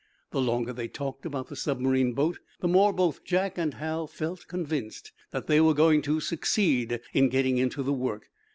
The longer they talked about the submarine boat, the more both Jack and Hal felt convinced that they were going to succeed in getting into the work.